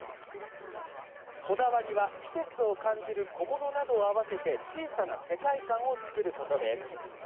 こだわりは、季節を感じる小物などを合わせて小さな世界観を作ることです。